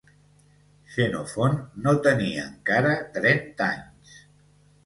Xenofont no tenia encara trenta anys